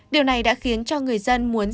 điều này đã khiến cho người dân muốn ra vào thủ đô